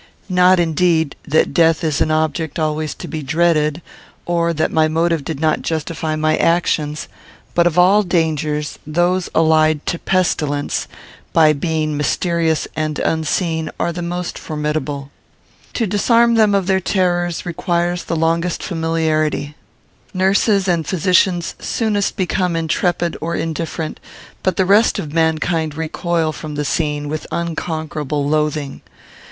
Not, indeed, that death is an object always to be dreaded, or that my motive did not justify my actions; but of all dangers, those allied to pestilence, by being mysterious and unseen, are the most formidable. To disarm them of their terrors requires the longest familiarity. Nurses and physicians soonest become intrepid or indifferent; but the rest of mankind recoil from the scene with unconquerable loathing.